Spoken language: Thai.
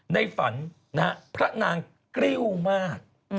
ในฝันนะฮะพระนางกริ้วมาก